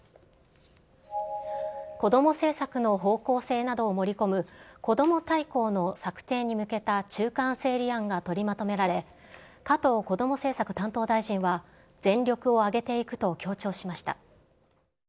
子ども政策の方向性などを盛り込む、こども大綱の策定に向けた中間整理案が取りまとめられ、加藤こども政策担当大臣は、全力を挙げていくと強調しました。